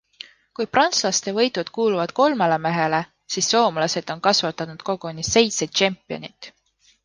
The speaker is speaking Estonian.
Kui prantslaste võidud kuuluvad kolmele mehele, siis soomlased on kasvatanud koguni seitse tšempionit.